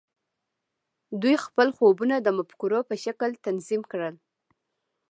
دوی خپل خوبونه د مفکورو په شکل تنظیم کړل